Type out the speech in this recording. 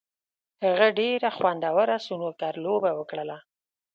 هغه ډېره خوندوره سنوکر لوبه وکړله.